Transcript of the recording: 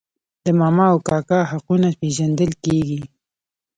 د ماما او کاکا حقونه پیژندل کیږي.